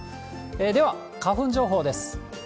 では、花粉情報です。